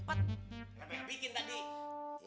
gapanya bikin tadi